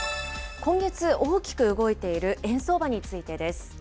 今月、大きく動いている円相場についてです。